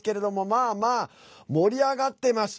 まあまあ盛り上がってます。